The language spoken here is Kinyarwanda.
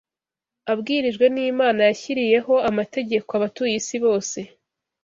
abwirijwe n’Imana yashyiriyeho amategeko abatuye isi bose